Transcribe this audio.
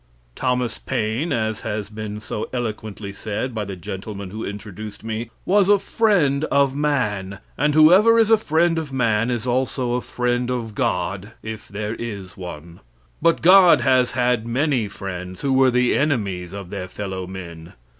Thomas Paine, as has been so eloquently said by the gentleman who introduced me, was a friend of man, and whoever is a friend of man is also a friend of God if there is one. But God has had many friends who were the enemies of their fellow men.